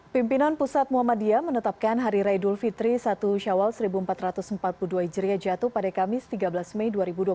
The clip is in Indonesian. pimpinan pusat muhammadiyah menetapkan hari raya idul fitri satu syawal seribu empat ratus empat puluh dua hijriah jatuh pada kamis tiga belas mei dua ribu dua puluh